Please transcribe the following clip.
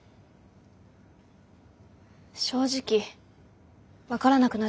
正直分からなくなってます。